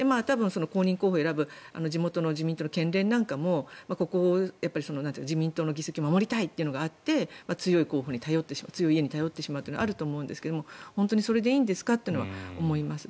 公認候補を選ぶ地元の自民党の県連なんかも自民党の議席を守りたいというのがあって強い家に頼ってしまうのはあると思うんですけど本当にそれでいいんですかというのは思います。